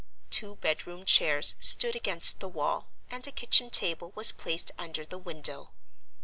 Two bedroom chairs stood against the wall, and a kitchen table was placed under the window.